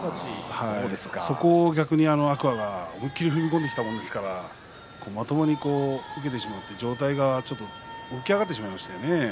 そこを逆に天空海が思い切り踏み込んできたものですからまともに出てしまって上体が浮き上がってしまいましたね。